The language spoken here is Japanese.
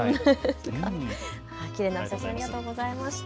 きれいなお写真、ありがとうございました。